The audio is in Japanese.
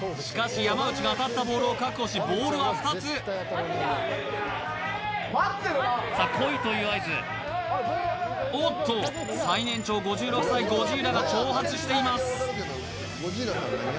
しかし山内が当たったボールを確保しボールは２つさあ来いという合図おっと最年長５６歳ゴジーラが挑発しています